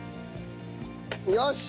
よし！